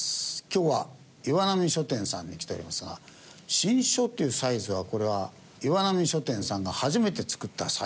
今日は岩波書店さんに来ておりますが新書というサイズはこれは岩波書店さんが初めて作ったサイズだそうです。